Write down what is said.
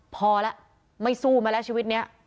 พอแล้วไม่สู้มาแล้วชีวิตนี้